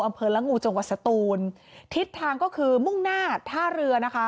อำเภอละงูจังหวัดสตูนทิศทางก็คือมุ่งหน้าท่าเรือนะคะ